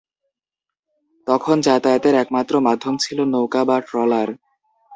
তখন যাতায়াতের একমাত্র মাধ্যম ছিল নৌকা বা ট্রলার।